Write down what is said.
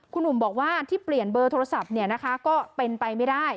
คุณหนุ่มบอกว่าที่เปลี่ยนเบอร์โทรศัพท์ก็เป็นไปไม่ได้